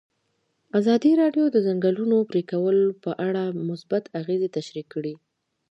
ازادي راډیو د د ځنګلونو پرېکول په اړه مثبت اغېزې تشریح کړي.